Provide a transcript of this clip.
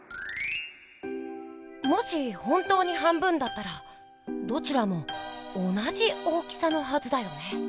もし本当に半分だったらどちらも同じ大きさのはずだよね。